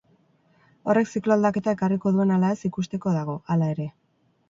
Horrek ziklo aldaketa ekarriko duen ala ez ikusteko dago, hala ere.